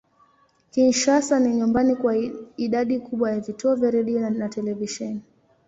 Kinshasa ni nyumbani kwa idadi kubwa ya vituo vya redio na televisheni.